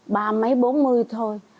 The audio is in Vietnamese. ba mấy bốn mươi thôi